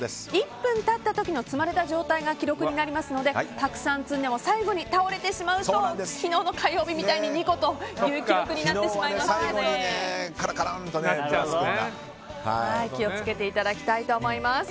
１分経った時の積まれた状態が記録になりますのでたくさん積んでも最後に倒れてしまうと昨日の火曜日のように２個という結果に昨日は最後にカラカランと気を付けていただきたいと思います。